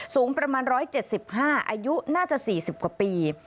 สูงประมาณ๑๗๕อายุน่าจะ๔๐กว่าปี